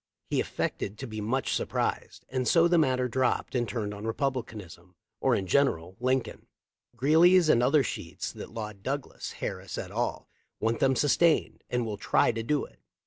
He affected to be much surprised, and so the matter dropped and turned on Republicanism, or in general— Lin coln. Greeley's and other sheets that laud Douglas Harris et al., want them sustained, and will try to do it.